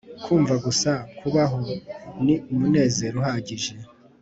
kumva gusa kubaho ni umunezero uhagije.